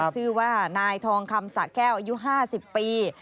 ชื่อว่านายทองคำสะแก้วอายุ๕๐ปี